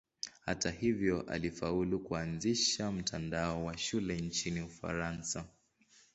Hata hivyo alifaulu kuanzisha mtandao wa shule nchini Ufaransa.